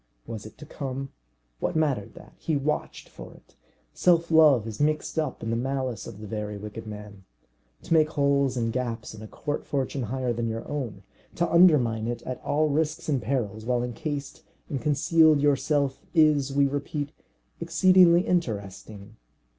Was it to come? What mattered that? He watched for it. Self love is mixed up in the malice of the very wicked man. To make holes and gaps in a court fortune higher than your own, to undermine it at all risks and perils, while encased and concealed yourself, is, we repeat, exceedingly interesting.